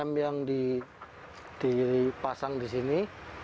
lem yang dipasang di sini